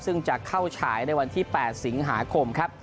ซึ่งจะเข้าฉายในวันที่๘สิงหาคมครับ